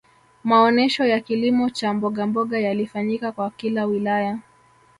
maonesho ya kilimo cha mbogamboga yalifanyika kwa kila wilaya